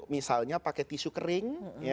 misalnya pakai tisu kering